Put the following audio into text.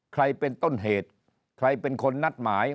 ใครเป็นต้นเหตุใครเป็นคนนัดหมาย